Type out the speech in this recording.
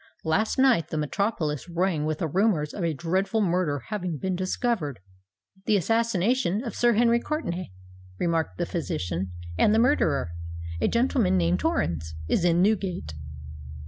Last night the metropolis rang with the rumours of a dreadful murder having been discovered——" "The assassination of Sir Henry Courtenay," remarked the physician; "and the murderer, a gentleman named Torrens, is in Newgate."